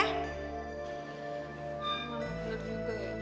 mama bener juga ya